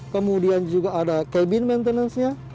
kemudian juga ada cabin maintenance nya